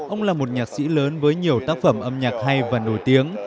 ông là một nhạc sĩ lớn với nhiều tác phẩm âm nhạc hay và nổi tiếng